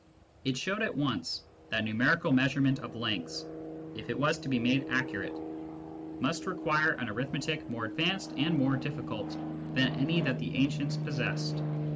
It showed at once that numerical measurement of lengths, if it was to be made accurate, must require an arithmetic more advanced and more difl[icult than any that the ancients possessed.